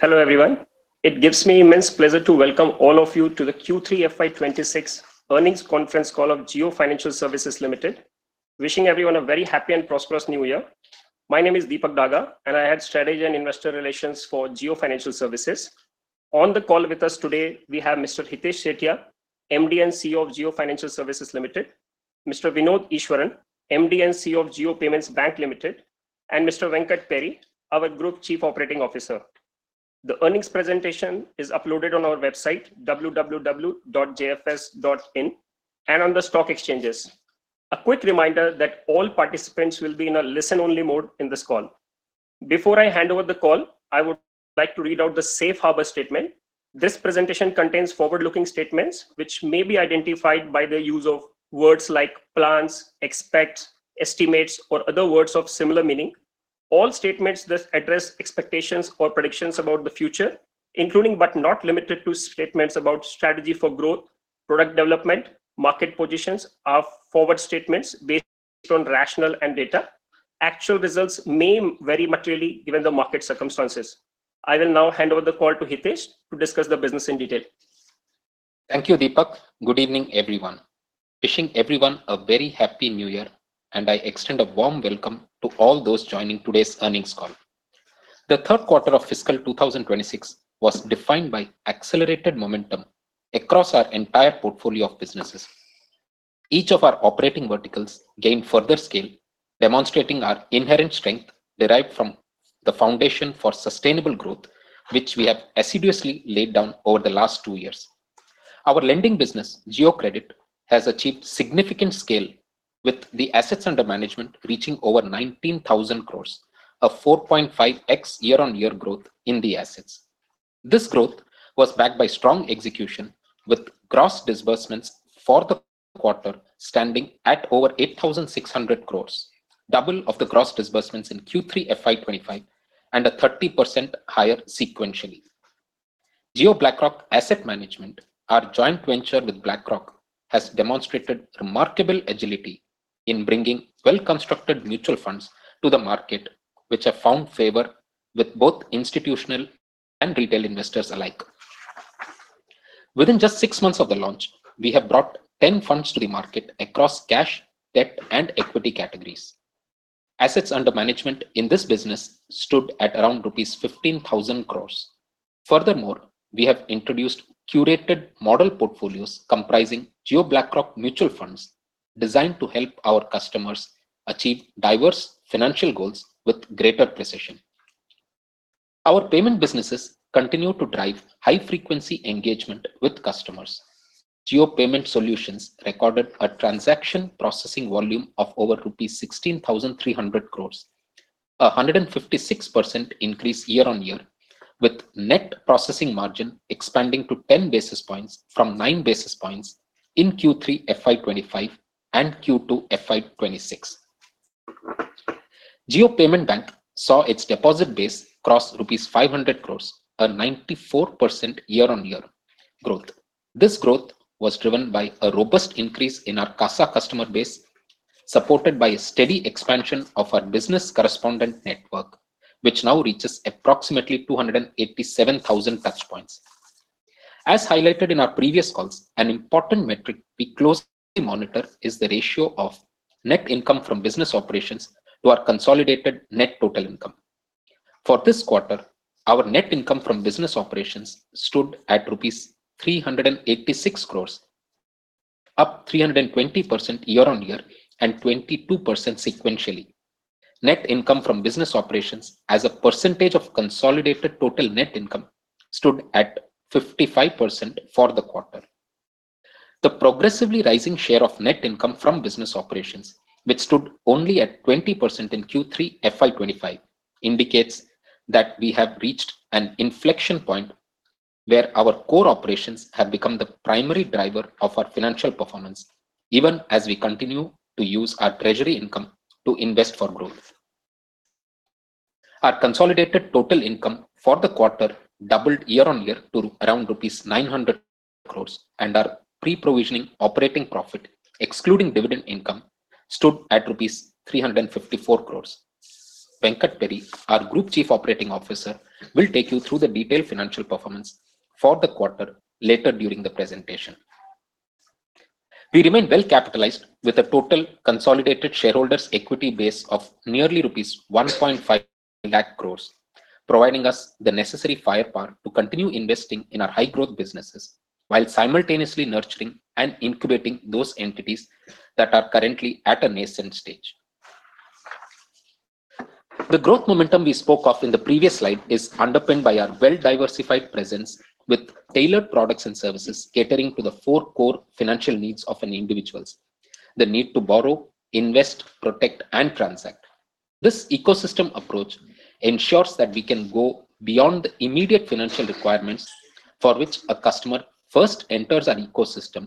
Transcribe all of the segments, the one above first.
Hello everyone. It gives me immense pleasure to welcome all of you to the Q3 FY 2026 earnings conference call of Jio Financial Services Limited. Wishing everyone a very happy and prosperous new year. My name is Dipak Daga, and I head strategy and investor relations for Jio Financial Services. On the call with us today, we have Mr. Hitesh Sethia, MD and CEO of Jio Financial Services Limited, Mr. Vinod Easwaran, MD and CEO of Jio Payments Bank Limited, and Mr. Venkat Peri, our Group Chief Operating Officer. The earnings presentation is uploaded on our website, www.jfs.in, and on the stock exchanges. A quick reminder that all participants will be in a listen-only mode in this call. Before I hand over the call, I would like to read out the Safe Harbor Statement. This presentation contains forward-looking statements which may be identified by the use of words like plans, expect, estimates, or other words of similar meaning. All statements that address expectations or predictions about the future, including but not limited to statements about strategy for growth, product development, and market positions, are forward-looking statements based on rationale and data. Actual results may vary materially given the market circumstances. I will now hand over the call to Hitesh to discuss the business in detail. Thank you, Dipak. Good evening, everyone. Wishing everyone a very happy new year, and I extend a warm welcome to all those joining today's earnings call. The third quarter of fiscal 2026 was defined by accelerated momentum across our entire portfolio of businesses. Each of our operating verticals gained further scale, demonstrating our inherent strength derived from the foundation for sustainable growth, which we have assiduously laid down over the last two years. Our lending business, Jio Credit, has achieved significant scale, with the assets under management reaching over 19,000 crores, a 4.5x year-on-year growth in the assets. This growth was backed by strong execution, with gross disbursements for the quarter standing at over 8,600 crores, double of the gross disbursements in Q3 FY 2025, and a 30% higher sequentially. Jio BlackRock Asset Management, our joint venture with BlackRock, has demonstrated remarkable agility in bringing well-constructed mutual funds to the market, which have found favor with both institutional and retail investors alike. Within just six months of the launch, we have brought 10 funds to the market across cash, debt, and equity categories. Assets under management in this business stood at around rupees 15,000 crores. Furthermore, we have introduced curated model portfolios comprising Jio BlackRock mutual funds designed to help our customers achieve diverse financial goals with greater precision. Our payment businesses continue to drive high-frequency engagement with customers. Jio Payment Solutions recorded a transaction processing volume of over rupees 16,300 crores, a 156% increase year-on-year, with net processing margin expanding to 10 basis points from 9 basis points in Q3 FY 2025 and Q2 FY 2026. Jio Payments Bank saw its deposit base cross rupees 500 crores, a 94% year-on-year growth. This growth was driven by a robust increase in our CASA customer base, supported by a steady expansion of our business correspondent network, which now reaches approximately 287,000 touch points. As highlighted in our previous calls, an important metric we closely monitor is the ratio of net income from business operations to our consolidated net total income. For this quarter, our net income from business operations stood at rupees 386 crores, up 320% year-on-year and 22% sequentially. Net income from business operations, as a percentage of consolidated total net income, stood at 55% for the quarter. The progressively rising share of net income from business operations, which stood only at 20% in Q3 FY 2025, indicates that we have reached an inflection point where our core operations have become the primary driver of our financial performance, even as we continue to use our treasury income to invest for growth. Our consolidated total income for the quarter doubled year-on-year to around rupees 900 crores, and our pre-provisioning operating profit, excluding dividend income, stood at rupees 354 crores. Venkat Peri, our Group Chief Operating Officer, will take you through the detailed financial performance for the quarter later during the presentation. We remain well capitalized, with a total consolidated shareholders' equity base of nearly rupees 1.5 lakh crores, providing us the necessary firepower to continue investing in our high-growth businesses while simultaneously nurturing and incubating those entities that are currently at a nascent stage. The growth momentum we spoke of in the previous slide is underpinned by our well-diversified presence, with tailored products and services catering to the four core financial needs of individuals: the need to borrow, invest, protect, and transact. This ecosystem approach ensures that we can go beyond the immediate financial requirements for which a customer first enters our ecosystem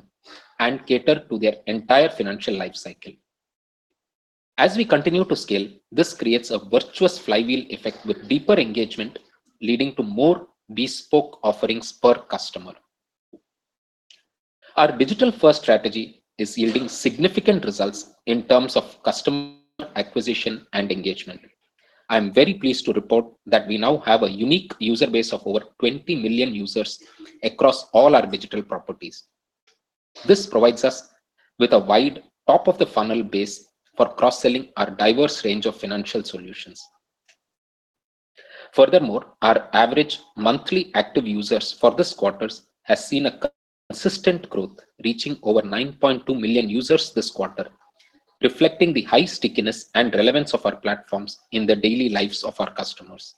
and cater to their entire financial lifecycle. As we continue to scale, this creates a virtuous flywheel effect with deeper engagement, leading to more bespoke offerings per customer. Our digital-first strategy is yielding significant results in terms of customer acquisition and engagement. I'm very pleased to report that we now have a unique user base of over 20 million users across all our digital properties. This provides us with a wide top-of-the-funnel base for cross-selling our diverse range of financial solutions. Furthermore, our average monthly active users for this quarter have seen a consistent growth, reaching over 9.2 million users this quarter, reflecting the high stickiness and relevance of our platforms in the daily lives of our customers.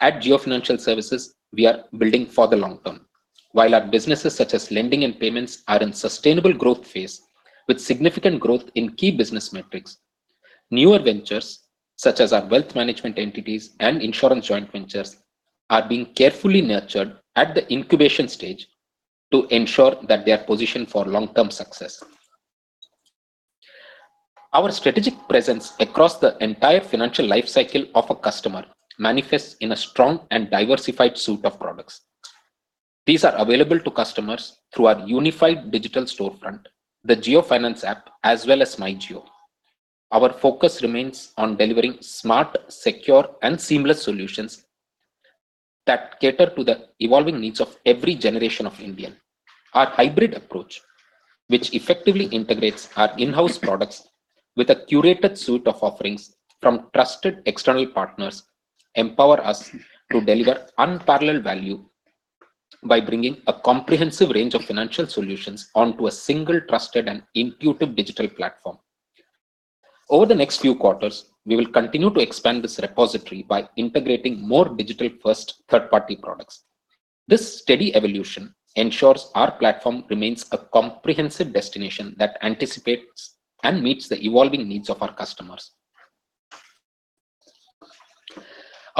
At Jio Financial Services, we are building for the long term. While our businesses such as lending and payments are in a sustainable growth phase, with significant growth in key business metrics, newer ventures such as our wealth management entities and insurance joint ventures are being carefully nurtured at the incubation stage to ensure that they are positioned for long-term success. Our strategic presence across the entire financial lifecycle of a customer manifests in a strong and diversified suite of products. These are available to customers through our unified digital storefront, the JioFinance app, as well as MyJio. Our focus remains on delivering smart, secure, and seamless solutions that cater to the evolving needs of every generation of Indians. Our hybrid approach, which effectively integrates our in-house products with a curated suite of offerings from trusted external partners, empowers us to deliver unparalleled value by bringing a comprehensive range of financial solutions onto a single, trusted, and intuitive digital platform. Over the next few quarters, we will continue to expand this repository by integrating more digital-first third-party products. This steady evolution ensures our platform remains a comprehensive destination that anticipates and meets the evolving needs of our customers.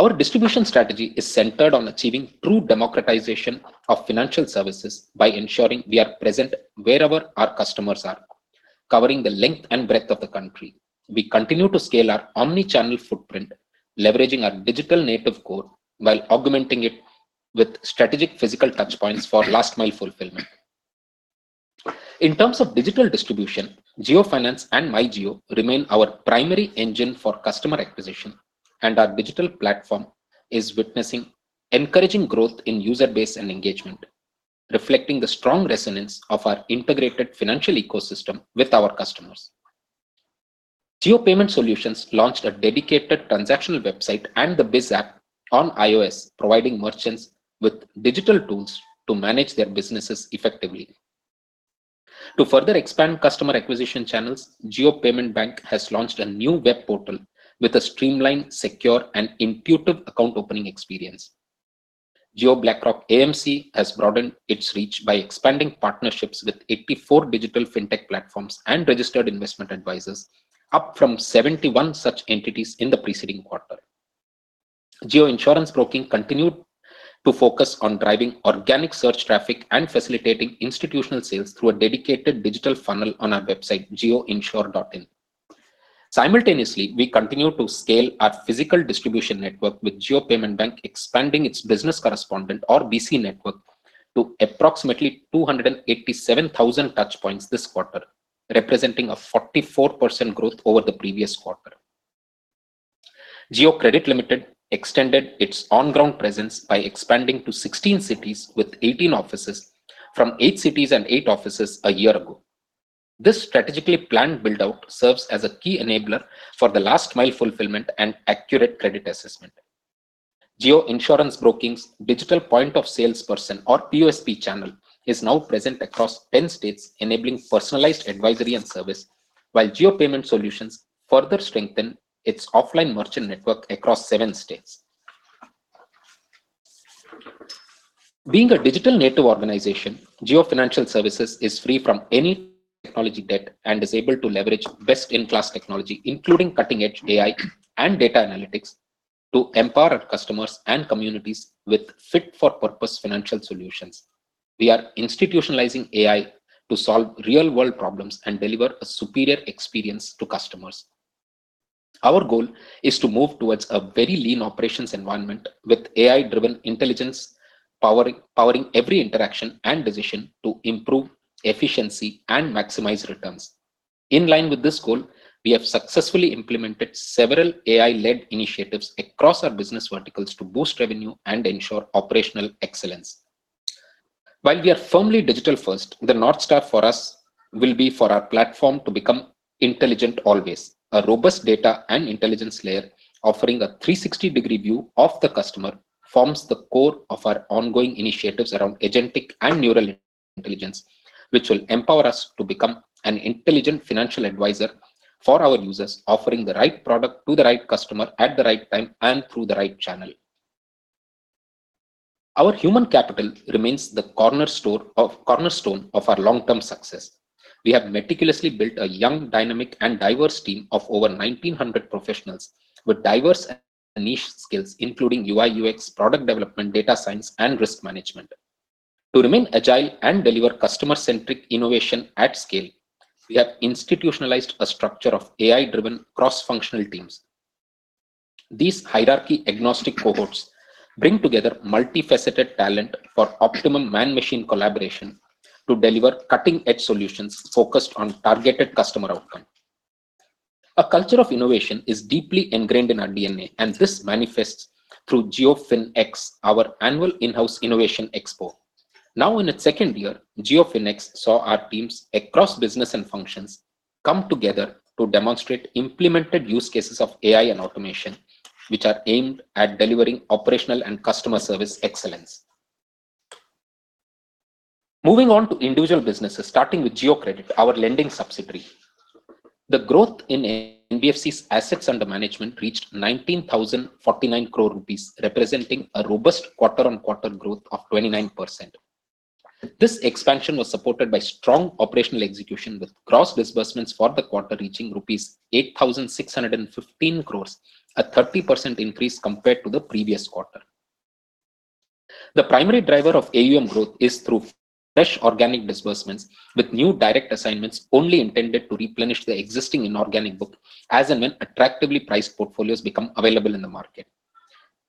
Our distribution strategy is centered on achieving true democratization of financial services by ensuring we are present wherever our customers are, covering the length and breadth of the country. We continue to scale our omnichannel footprint, leveraging our digital native core while augmenting it with strategic physical touch points for last-mile fulfillment. In terms of digital distribution, JioFinance and MyJio remain our primary engine for customer acquisition, and our digital platform is witnessing encouraging growth in user base and engagement, reflecting the strong resonance of our integrated financial ecosystem with our customers. Jio Payment Solutions launched a dedicated transactional website and the Biz app on iOS, providing merchants with digital tools to manage their businesses effectively. To further expand customer acquisition channels, Jio Payments Bank has launched a new web portal with a streamlined, secure, and intuitive account opening experience. Jio BlackRock AMC has broadened its reach by expanding partnerships with 84 digital fintech platforms and registered investment advisors, up from 71 such entities in the preceding quarter. Jio Insurance Broking continued to focus on driving organic search traffic and facilitating institutional sales through a dedicated digital funnel on our website, jioinsure.in. Simultaneously, we continue to scale our physical distribution network, with Jio Payments Bank expanding its business correspondent, or BC, network to approximately 287,000 touch points this quarter, representing a 44% growth over the previous quarter. Jio Credit Limited extended its on-ground presence by expanding to 16 cities with 18 offices, from eight cities and eight offices a year ago. This strategically planned build-out serves as a key enabler for the last-mile fulfillment and accurate credit assessment. Jio Insurance Broking's digital point of salesperson, or POSP channel, is now present across 10 states, enabling personalized advisory and service, while Jio Payment Solutions further strengthens its offline merchant network across seven states. Being a digital native organization, Jio Financial Services is free from any technology debt and is able to leverage best-in-class technology, including cutting-edge AI and data analytics, to empower our customers and communities with fit-for-purpose financial solutions. We are institutionalizing AI to solve real-world problems and deliver a superior experience to customers. Our goal is to move towards a very lean operations environment with AI-driven intelligence, powering every interaction and decision to improve efficiency and maximize returns. In line with this goal, we have successfully implemented several AI-led initiatives across our business verticals to boost revenue and ensure operational excellence. While we are firmly digital-first, the North Star for us will be for our platform to become intelligent always. A robust data and intelligence layer offering a 360-degree view of the customer forms the core of our ongoing initiatives around agentic and neural intelligence, which will empower us to become an intelligent financial advisor for our users, offering the right product to the right customer at the right time and through the right channel. Our human capital remains the cornerstone of our long-term success. We have meticulously built a young, dynamic, and diverse team of over 1,900 professionals with diverse and niche skills, including UI/UX, product development, data science, and risk management. To remain agile and deliver customer-centric innovation at scale, we have institutionalized a structure of AI-driven cross-functional teams. These hierarchy-agnostic cohorts bring together multifaceted talent for optimum man-machine collaboration to deliver cutting-edge solutions focused on targeted customer outcomes. A culture of innovation is deeply ingrained in our DNA, and this manifests through JioFinX, our annual in-house innovation expo. Now in its second year, JioFinX saw our teams across business and functions come together to demonstrate implemented use cases of AI and automation, which are aimed at delivering operational and customer service excellence. Moving on to individual businesses, starting with Jio Credit, our lending subsidiary. The growth in NBFC's assets under management reached 19,049 crore rupees, representing a robust quarter-on-quarter growth of 29%. This expansion was supported by strong operational execution, with gross disbursements for the quarter reaching rupees 8,615 crore, a 30% increase compared to the previous quarter. The primary driver of AUM growth is through fresh organic disbursements, with new direct assignments only intended to replenish the existing inorganic book, as and when attractively priced portfolios become available in the market.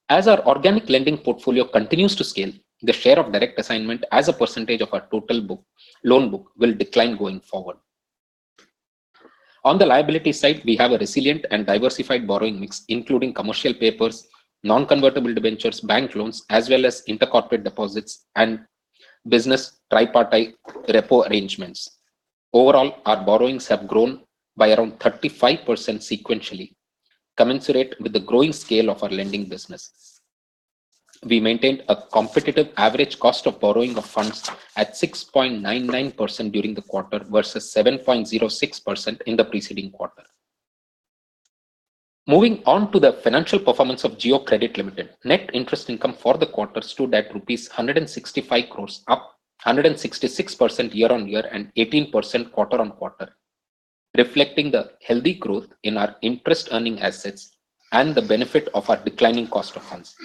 As our organic lending portfolio continues to scale, the share of direct assignment as a percentage of our total loan book will decline going forward. On the liability side, we have a resilient and diversified borrowing mix, including commercial papers, non-convertible debentures, bank loans, as well as intercorporate deposits and business tripartite repo arrangements. Overall, our borrowings have grown by around 35% sequentially, commensurate with the growing scale of our lending business. We maintained a competitive average cost of borrowing of funds at 6.99% during the quarter versus 7.06% in the preceding quarter. Moving on to the financial performance of Jio Credit Limited, net interest income for the quarter stood at rupees 165 crore, up 166% year-on-year and 18% quarter-on-quarter, reflecting the healthy growth in our interest-earning assets and the benefit of our declining cost of funds.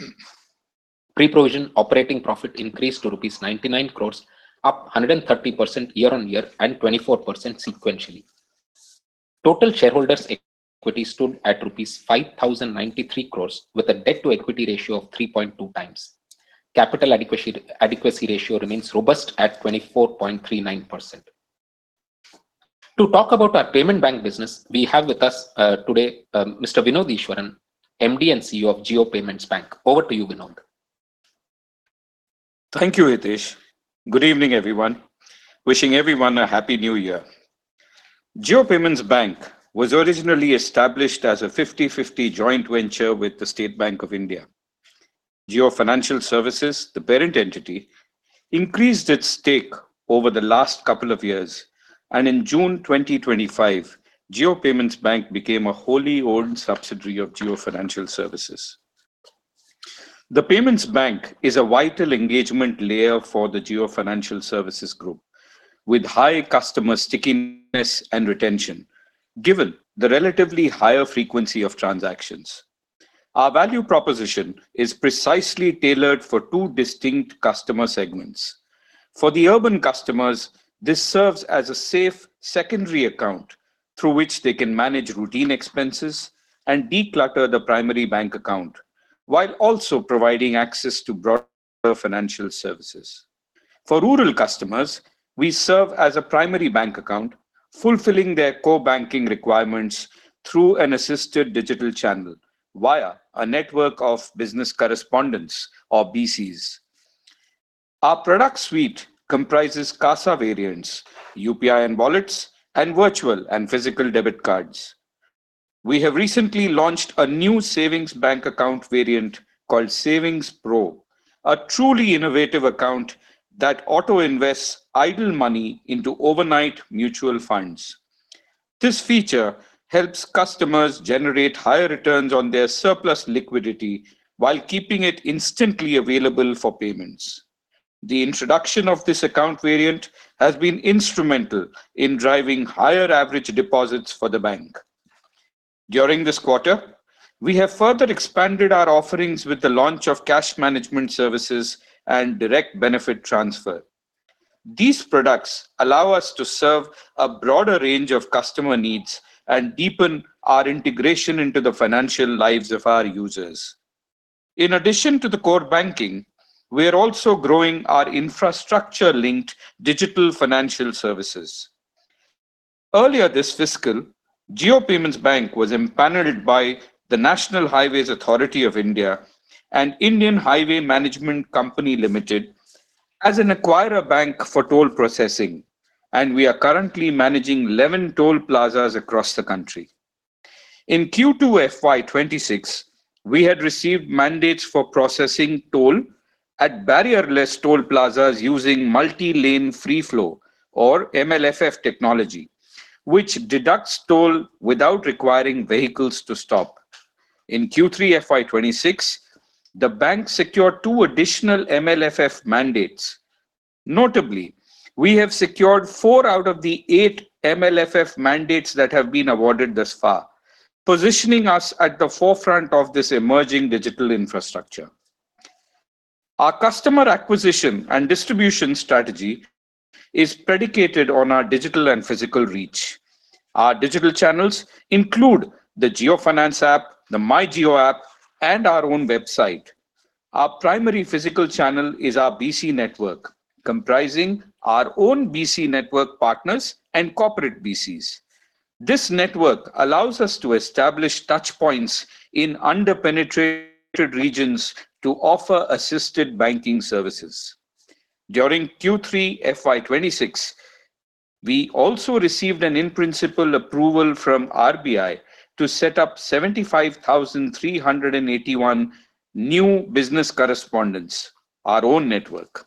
Pre-provision operating profit increased to rupees 99 crore, up 130% year-on-year and 24% sequentially. Total shareholders' equity stood at rupees 5,093 crore, with a debt-to-equity ratio of 3.2 times. Capital adequacy ratio remains robust at 24.39%. To talk about our payment bank business, we have with us today Mr. Vinod Easwaran, MD and CEO of Jio Payments Bank. Over to you, Vinod. Thank you, Hitesh. Good evening, everyone. Wishing everyone a Happy New Year. Jio Payments Bank was originally established as a 50/50 joint venture with the State Bank of India. Jio Financial Services, the parent entity, increased its stake over the last couple of years, and in June 2025, Jio Payments Bank became a wholly owned subsidiary of Jio Financial Services. The payments bank is a vital engagement layer for the Jio Financial Services Group, with high customer stickiness and retention, given the relatively higher frequency of transactions. Our value proposition is precisely tailored for two distinct customer segments. For the urban customers, this serves as a safe secondary account through which they can manage routine expenses and declutter the primary bank account, while also providing access to broader financial services. For rural customers, we serve as a primary bank account, fulfilling their core banking requirements through an assisted digital channel via a network of business correspondents, or BCs. Our product suite comprises CASA variants, UPI and wallets, and virtual and physical debit cards. We have recently launched a new savings bank account variant called Savings Pro, a truly innovative account that auto-invests idle money into overnight mutual funds. This feature helps customers generate higher returns on their surplus liquidity while keeping it instantly available for payments. The introduction of this account variant has been instrumental in driving higher average deposits for the bank. During this quarter, we have further expanded our offerings with the launch of cash management services and Direct Benefit Transfer. These products allow us to serve a broader range of customer needs and deepen our integration into the financial lives of our users. In addition to the core banking, we are also growing our infrastructure-linked digital financial services. Earlier this fiscal, Jio Payments Bank was empaneled by the National Highways Authority of India and Indian Highways Management Company Limited as an acquirer bank for toll processing, and we are currently managing 11 toll plazas across the country. In Q2 FY 2026, we had received mandates for processing toll at barrierless toll plazas using multi-lane free flow, or MLFF technology, which deducts toll without requiring vehicles to stop. In Q3 FY 2026, the bank secured two additional MLFF mandates. Notably, we have secured four out of the eight MLFF mandates that have been awarded thus far, positioning us at the forefront of this emerging digital infrastructure. Our customer acquisition and distribution strategy is predicated on our digital and physical reach. Our digital channels include the JioFinance app, the MyJio app, and our own website. Our primary physical channel is our BC network, comprising our own BC network partners and corporate BCs. This network allows us to establish touch points in under-penetrated regions to offer assisted banking services. During Q3 FY 2026, we also received an in-principle approval from RBI to set up 75,381 new business correspondents, our own network.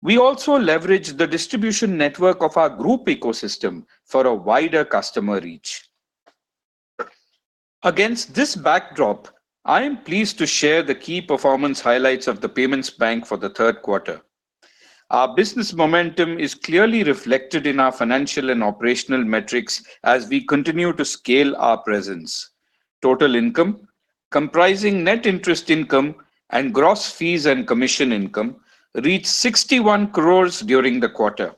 We also leveraged the distribution network of our group ecosystem for a wider customer reach. Against this backdrop, I am pleased to share the key performance highlights of the payments bank for the third quarter. Our business momentum is clearly reflected in our financial and operational metrics as we continue to scale our presence. Total income, comprising net interest income and gross fees and commission income, reached 61 crore during the quarter.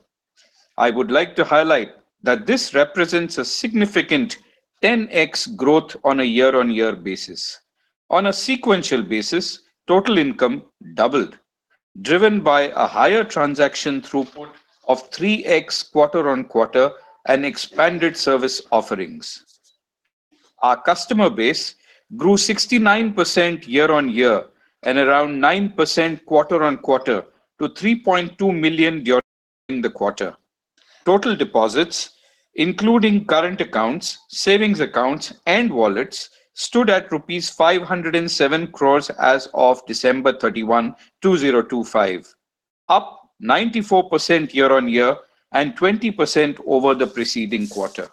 I would like to highlight that this represents a significant 10x growth on a year-on-year basis. On a sequential basis, total income doubled, driven by a higher transaction throughput of 3x quarter-on-quarter and expanded service offerings. Our customer base grew 69% year-on-year and around 9% quarter-on-quarter to 3.2 million during the quarter. Total deposits, including current accounts, savings accounts, and wallets, stood at rupees 507 crore as of December 31, 2025, up 94% year-on-year and 20% over the preceding quarter.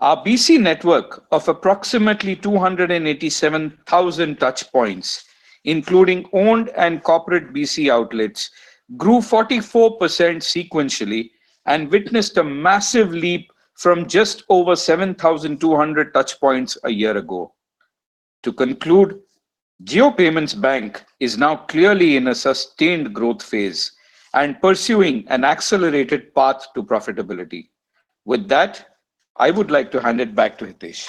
Our BC network of approximately 287,000 touch points, including owned and corporate BC outlets, grew 44% sequentially and witnessed a massive leap from just over 7,200 touch points a year ago. To conclude, Jio Payments Bank is now clearly in a sustained growth phase and pursuing an accelerated path to profitability. With that, I would like to hand it back to Hitesh.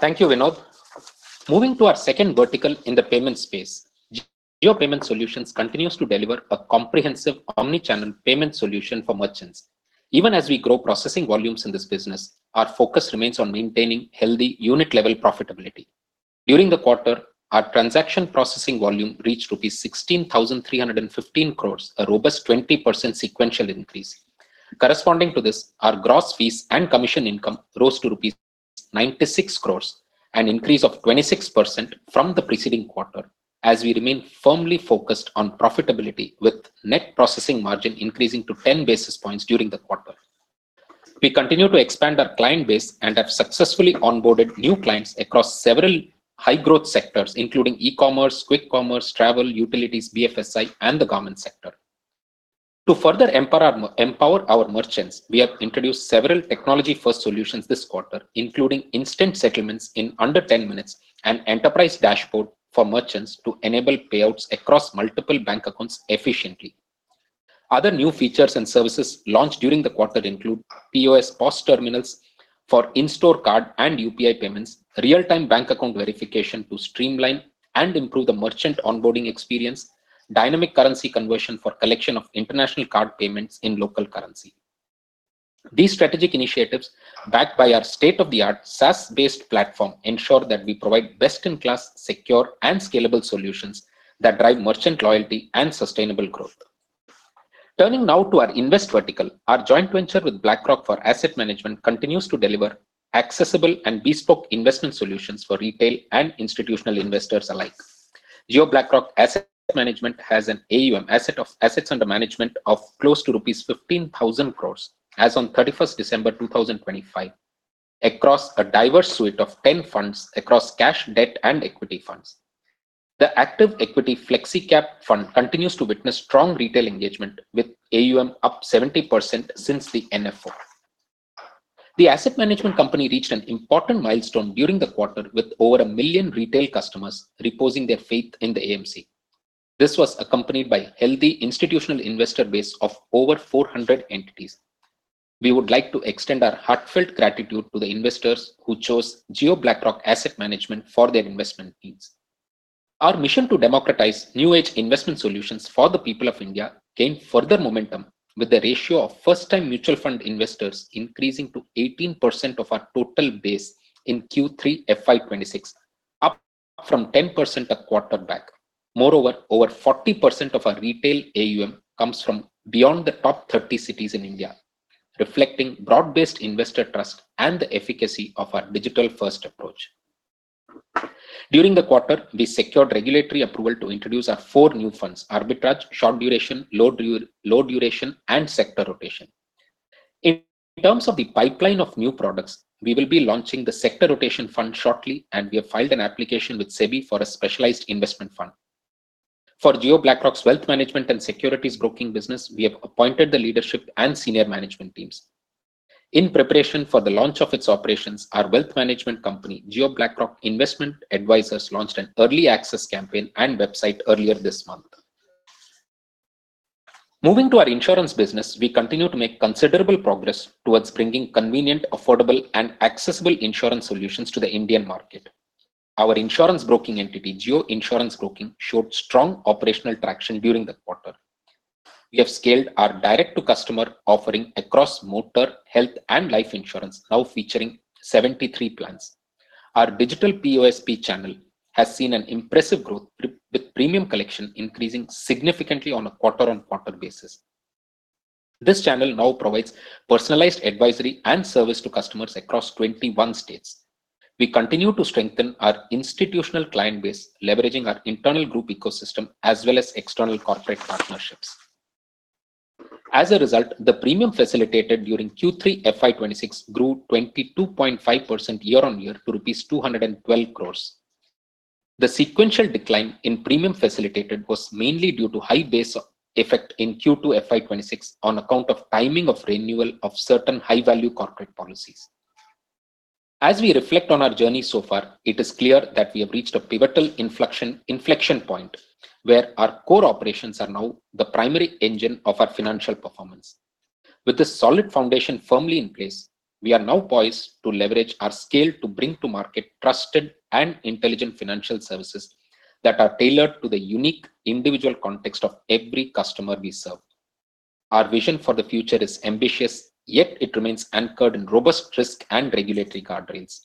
Thank you, Vinod. Moving to our second vertical in the payment space, Jio Payment Solutions continues to deliver a comprehensive omnichannel payment solution for merchants. Even as we grow processing volumes in this business, our focus remains on maintaining healthy unit-level profitability. During the quarter, our transaction processing volume reached 16,315 crore rupees, a robust 20% sequential increase. Corresponding to this, our gross fees and commission income rose to rupees 96 crore, an increase of 26% from the preceding quarter, as we remain firmly focused on profitability, with net processing margin increasing to 10 basis points during the quarter. We continue to expand our client base and have successfully onboarded new clients across several high-growth sectors, including e-commerce, quick commerce, travel, utilities, BFSI, and the government sector. To further empower our merchants, we have introduced several technology-first solutions this quarter, including instant settlements in under 10 minutes and enterprise dashboard for merchants to enable payouts across multiple bank accounts efficiently. Other new features and services launched during the quarter include POS terminals for in-store card and UPI payments, real-time bank account verification to streamline and improve the merchant onboarding experience, and dynamic currency conversion for collection of international card payments in local currency. These strategic initiatives, backed by our state-of-the-art SaaS-based platform, ensure that we provide best-in-class, secure, and scalable solutions that drive merchant loyalty and sustainable growth. Turning now to our investment vertical, our joint venture with BlackRock for asset management continues to deliver accessible and bespoke investment solutions for retail and institutional investors alike. Jio BlackRock Asset Management has an AUM asset under management of close to rupees 15,000 crore, as of 31st December 2025, across a diverse suite of 10 funds across cash, debt, and equity funds. The active equity Flexi Cap fund continues to witness strong retail engagement, with AUM up 70% since the NFO. The asset management company reached an important milestone during the quarter, with over a million retail customers reposing their faith in the AMC. This was accompanied by a healthy institutional investor base of over 400 entities. We would like to extend our heartfelt gratitude to the investors who chose Jio BlackRock Asset Management for their investment needs. Our mission to democratize new-age investment solutions for the people of India gained further momentum, with the ratio of first-time mutual fund investors increasing to 18% of our total base in Q3 FY 2026, up from 10% a quarter back. Moreover, over 40% of our retail AUM comes from beyond the top 30 cities in India, reflecting broad-based investor trust and the efficacy of our digital-first approach. During the quarter, we secured regulatory approval to introduce our four new funds: Arbitrage, Short Duration, Low Duration, and Sector Rotation. In terms of the pipeline of new products, we will be launching the Sector Rotation Fund shortly, and we have filed an application with SEBI for a specialized investment fund. For Jio BlackRock's wealth management and securities broking business, we have appointed the leadership and senior management teams. In preparation for the launch of its operations, our wealth management company, Jio BlackRock Investment Advisers, launched an early access campaign and website earlier this month. Moving to our insurance business, we continue to make considerable progress towards bringing convenient, affordable, and accessible insurance solutions to the Indian market. Our insurance broking entity, Jio Insurance Broking, showed strong operational traction during the quarter. We have scaled our direct-to-customer offering across motor, health, and life insurance, now featuring 73 plans. Our digital POSP channel has seen an impressive growth, with premium collection increasing significantly on a quarter-on-quarter basis. This channel now provides personalized advisory and service to customers across 21 states. We continue to strengthen our institutional client base, leveraging our internal group ecosystem as well as external corporate partnerships. As a result, the premium facilitated during Q3 FY 2026 grew 22.5% year-on-year to rupees 212 crore. The sequential decline in premium facilitated was mainly due to high base effect in Q2 FY 2026 on account of timing of renewal of certain high-value corporate policies. As we reflect on our journey so far, it is clear that we have reached a pivotal inflection point, where our core operations are now the primary engine of our financial performance. With this solid foundation firmly in place, we are now poised to leverage our scale to bring to market trusted and intelligent financial services that are tailored to the unique individual context of every customer we serve. Our vision for the future is ambitious, yet it remains anchored in robust risk and regulatory guardrails.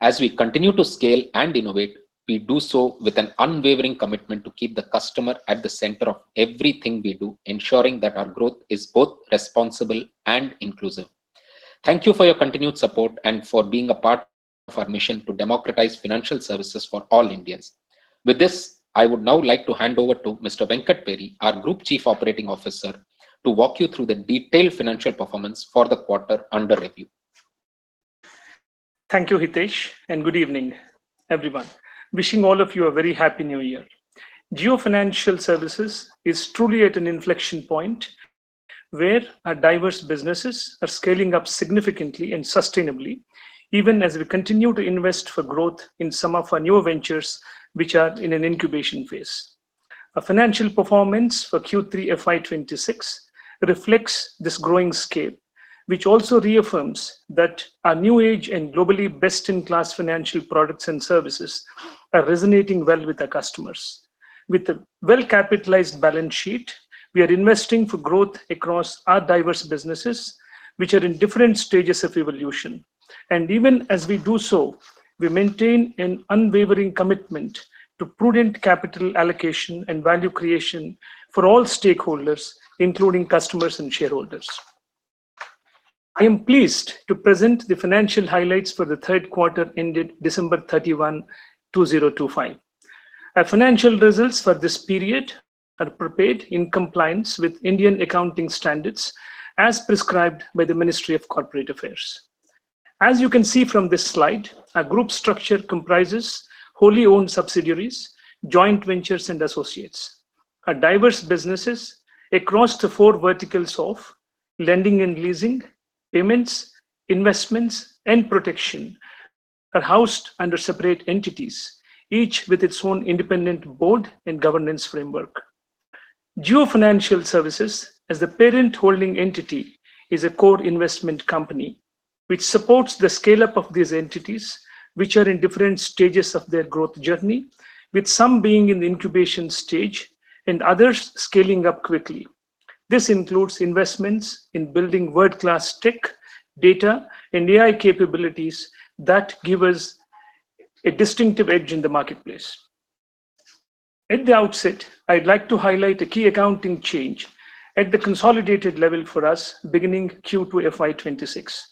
As we continue to scale and innovate, we do so with an unwavering commitment to keep the customer at the center of everything we do, ensuring that our growth is both responsible and inclusive. Thank you for your continued support and for being a part of our mission to democratize financial services for all Indians. With this, I would now like to hand over to Mr. Venkat Peri, our Group Chief Operating Officer, to walk you through the detailed financial performance for the quarter under review. Thank you, Hitesh, and good evening, everyone. Wishing all of you a very happy New Year. Jio Financial Services is truly at an inflection point, where our diverse businesses are scaling up significantly and sustainably, even as we continue to invest for growth in some of our newer ventures, which are in an incubation phase. Our financial performance for Q3 FY 2026 reflects this growing scale, which also reaffirms that our new-age and globally best-in-class financial products and services are resonating well with our customers. With a well-capitalized balance sheet, we are investing for growth across our diverse businesses, which are in different stages of evolution. Even as we do so, we maintain an unwavering commitment to prudent capital allocation and value creation for all stakeholders, including customers and shareholders. I am pleased to present the financial highlights for the third quarter ended December 31, 2025. Our financial results for this period are prepared in compliance with Indian accounting standards, as prescribed by the Ministry of Corporate Affairs. As you can see from this slide, our group structure comprises wholly owned subsidiaries, joint ventures, and associates. Our diverse businesses across the four verticals of lending and leasing, payments, investments, and protection are housed under separate entities, each with its own independent board and governance framework. Jio Financial Services, as the parent holding entity, is a core investment company, which supports the scale-up of these entities, which are in different stages of their growth journey, with some being in the incubation stage and others scaling up quickly. This includes investments in building world-class tech, data, and AI capabilities that give us a distinctive edge in the marketplace. At the outset, I'd like to highlight a key accounting change at the consolidated level for us beginning Q2 FY 2026.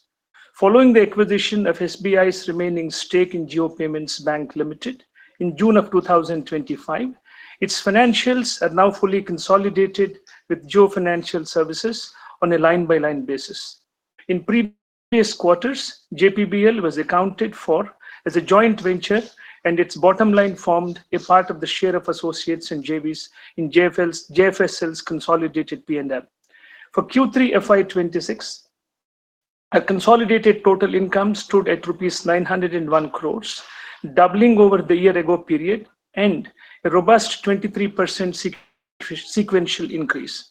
Following the acquisition of SBI's remaining stake in Jio Payments Bank Limited in June of 2025, its financials are now fully consolidated with Jio Financial Services on a line-by-line basis. In previous quarters, JPBL was accounted for as a joint venture, and its bottom line formed a part of the share of associates and JVs in JFSL's consolidated P&L. For Q3 FY 2026, our consolidated total income stood at rupees 901 crore, doubling over the year-ago period and a robust 23% sequential increase.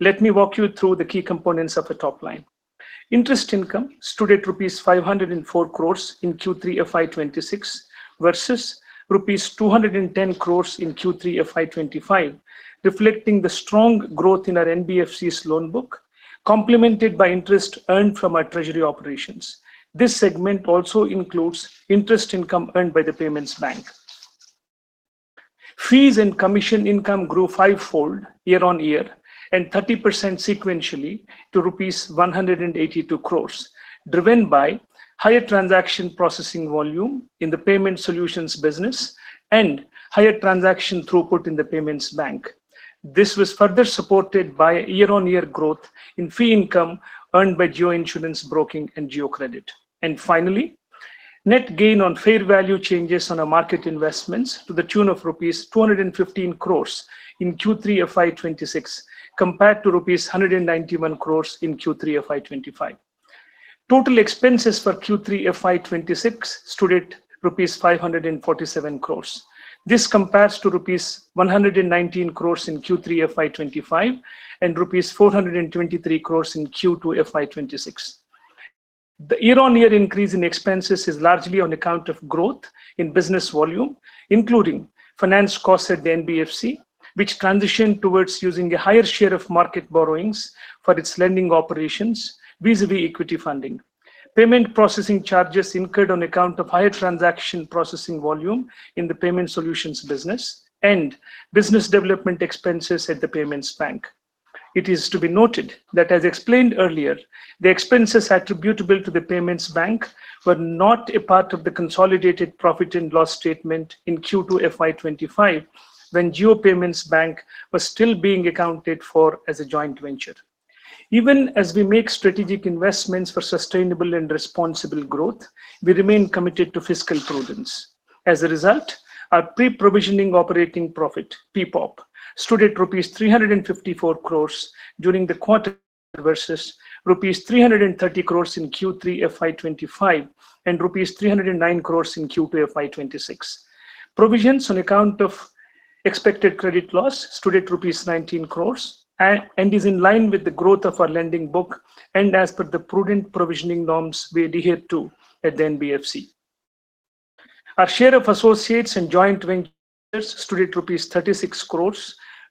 Let me walk you through the key components of the top line. Interest income stood at rupees 504 crore in Q3 FY 2026 versus rupees 210 crore in Q3 FY 2025, reflecting the strong growth in our NBFC's loan book, complemented by interest earned from our treasury operations. This segment also includes interest income earned by the payments bank. Fees and commission income grew fivefold year-on-year and 30% sequentially to rupees 182 crore, driven by higher transaction processing volume in the payment solutions business and higher transaction throughput in the payments bank. This was further supported by year-on-year growth in fee income earned by Jio Insurance Broking and Jio Credit. Finally, net gain on fair value changes on our market investments to the tune of rupees 215 crore in Q3 FY 2026, compared to rupees 191 crore in Q3 FY 2025. Total expenses for Q3 FY 2026 stood at rupees 547 crore. This compares to rupees 119 crore in Q3 FY 2025 and rupees 423 crore in Q2 FY 2026. The year-on-year increase in expenses is largely on account of growth in business volume, including finance costs at the NBFC, which transitioned towards using a higher share of market borrowings for its lending operations vis-à-vis equity funding. Payment processing charges incurred on account of higher transaction processing volume in the payment solutions business and business development expenses at the payments bank. It is to be noted that, as explained earlier, the expenses attributable to the payments bank were not a part of the consolidated profit and loss statement in Q2 FY 2025 when Jio Payments Bank was still being accounted for as a joint venture. Even as we make strategic investments for sustainable and responsible growth, we remain committed to fiscal prudence. As a result, our pre-provisioning operating profit, PPOP, stood at rupees 354 crore during the quarter versus rupees 330 crore in Q3 FY 2025 and rupees 309 crore in Q2 FY 2026. Provisions on account of expected credit loss stood at rupees 19 crore and is in line with the growth of our lending book and as per the prudent provisioning norms we adhered to at the NBFC. Our share of associates and joint ventures stood at rupees 36 crore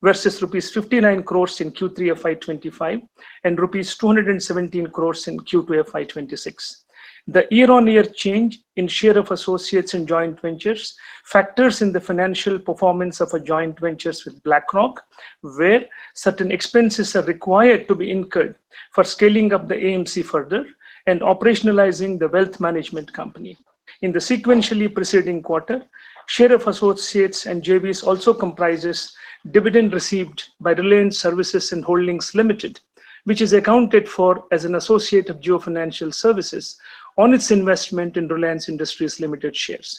versus rupees 59 crore in Q3 FY 2025 and rupees 217 crore in Q2 FY 2026. The year-on-year change in share of associates and joint ventures factors in the financial performance of our joint ventures with BlackRock, where certain expenses are required to be incurred for scaling up the AMC further and operationalizing the wealth management company. In the sequentially preceding quarter, share of associates and JVs also comprises dividend received by Reliance Services and Holdings Limited, which is accounted for as an associate of Jio Financial Services on its investment in Reliance Industries Limited shares.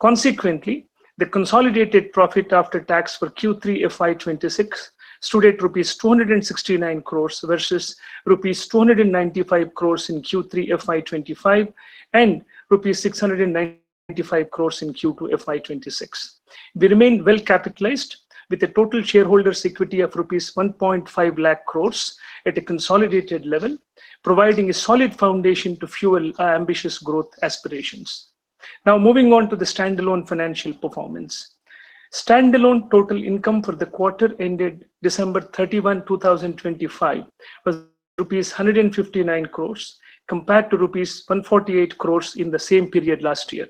Consequently, the consolidated profit after tax for Q3 FY 2026 stood at rupees 269 crore versus rupees 295 crore in Q3 FY 2025 and INR 695 crore in Q2 FY 2026. We remain well-capitalized with a total shareholder's equity of rupees 1.5 lakh crore at a consolidated level, providing a solid foundation to fuel our ambitious growth aspirations. Now, moving on to the standalone financial performance. Standalone total income for the quarter ended December 31, 2025, was rupees 159 crore, compared to rupees 148 crore in the same period last year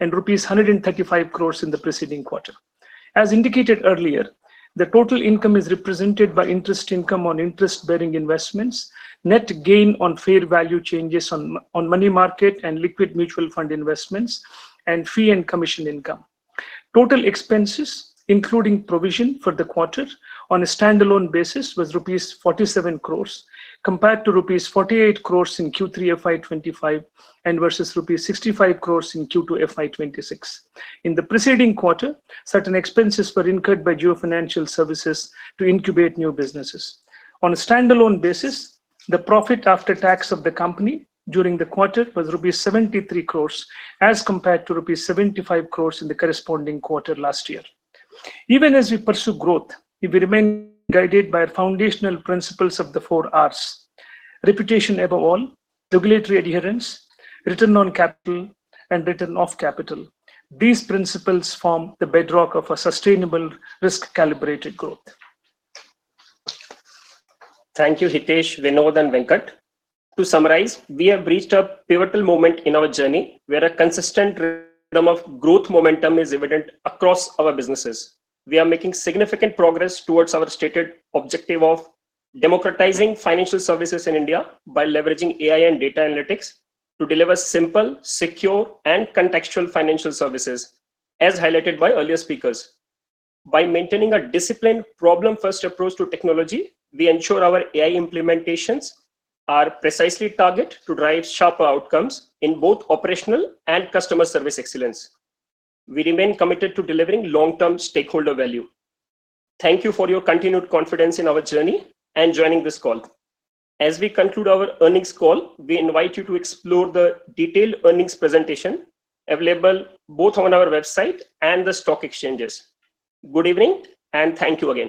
and rupees 135 crore in the preceding quarter. As indicated earlier, the total income is represented by interest income on interest-bearing investments, net gain on fair value changes on money market and liquid mutual fund investments, and fee and commission income. Total expenses, including provision for the quarter on a standalone basis, was rupees 47 crore, compared to rupees 48 crore in Q3 FY 2025 and versus rupees 65 crore in Q2 FY 2026. In the preceding quarter, certain expenses were incurred by Jio Financial Services to incubate new businesses. On a standalone basis, the profit after tax of the company during the quarter was rupees 73 crore, as compared to rupees 75 crore in the corresponding quarter last year. Even as we pursue growth, we remain guided by our foundational principles of the four Rs: reputation above all, regulatory adherence, return on capital, and return of capital. These principles form the bedrock of a sustainable risk-calibrated growth. Thank you, Hitesh, Vinod, and Venkat. To summarize, we have reached a pivotal moment in our journey, where a consistent rhythm of growth momentum is evident across our businesses. We are making significant progress towards our stated objective of democratizing financial services in India by leveraging AI and data analytics to deliver simple, secure, and contextual financial services, as highlighted by earlier speakers. By maintaining a disciplined, problem-first approach to technology, we ensure our AI implementations are precisely targeted to drive sharper outcomes in both operational and customer service excellence. We remain committed to delivering long-term stakeholder value. Thank you for your continued confidence in our journey and joining this call. As we conclude our earnings call, we invite you to explore the detailed earnings presentation available both on our website and the stock exchanges. Good evening, and thank you again.